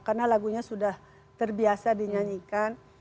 karena lagunya sudah terbiasa dinyanyikan